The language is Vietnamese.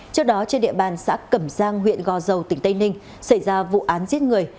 trước đó trên địa bàn xã cẩm giang huyện gò dầu tỉnh tây ninh xảy ra vụ án giết người